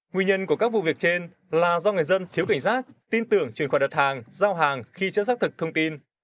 nguyên nhân của các vụ việc trên là do người dân thiếu cảnh giác tin tưởng chuyển khoản đặt hàng giao hàng khi chất xác thực thông tin